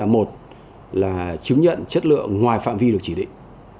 một là chứng nhận chất lượng ngoài phạm vi được chỉ định